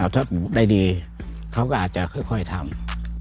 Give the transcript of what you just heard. ถ้าได้ดีเขาก็อาจจะค่อยทำ